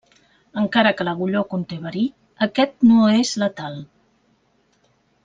Encara que l'agulló conté verí, aquest no és letal.